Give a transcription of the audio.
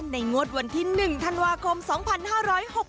พี่ตาติ้งโหนงบอกว่าได้สตาปเจ้าโกเห็งไว้ดูต่างหน้าแทนความคิดถึงมานานกว่า๒๐ปีแล้วล่ะค่ะ